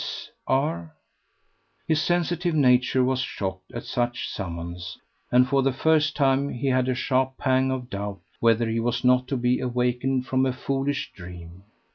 S. R."_ His sensitive nature was shocked at such a summons, and for the first time he had a sharp pang of doubt whether he was not to be awakened from a foolish dream.